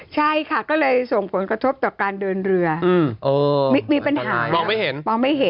ใช่ค่ะก็เลยส่งผลกระทบต่อการเดินเรือมีปัญหามองไม่เห็นมองไม่เห็น